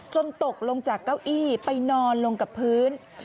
ตกลงจากเก้าอี้ไปนอนลงกับพื้น